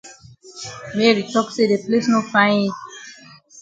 Mary tok say de place no fine yi.